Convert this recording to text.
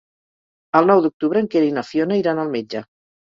El nou d'octubre en Quer i na Fiona iran al metge.